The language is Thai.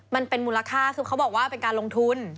มันเป็นมูลค่าคือเขาบอกว่าเป็นการลงทุน